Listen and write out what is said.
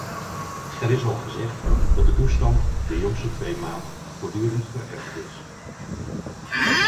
Er is al gezegd dat de toestand de jongste twee maand voortdurend verergerd is.